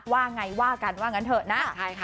ว่าไงว่ากันว่างั้นเถอะนะ